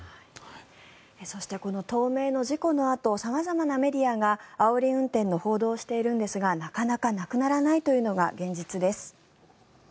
そしてこの東名の事故のあと様々なメディアがあおり運転の報道をしているんですがなかなかなくならないというのが現実です。